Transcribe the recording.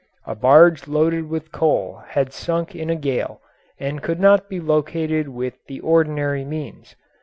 A barge loaded with coal had sunk in a gale and could not be located with the ordinary means.